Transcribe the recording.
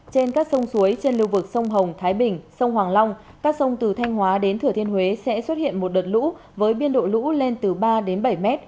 trên các sông suối trên lưu vực sông hồng thái bình sông hoàng long các sông từ thanh hóa đến thừa thiên huế sẽ xuất hiện một đợt lũ với biên độ lũ lên từ ba đến bảy m